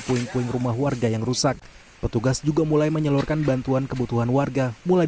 puing puing rumah warga yang rusak petugas juga mulai menyalurkan bantuan kebutuhan warga mulai